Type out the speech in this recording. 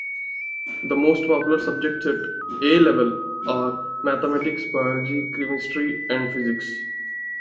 The most popular subjects at A Level are Mathematics, Biology, Chemistry and Physics.